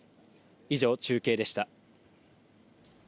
以上、中継でした。